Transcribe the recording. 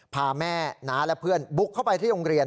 พาแม่น้าและเพื่อนบุกเข้าไปที่โรงเรียน